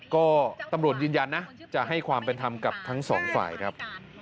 ก็ตำรวจยืนยันนะจะให้ความเป็นธรรมกับทั้งสองฝ่ายครับ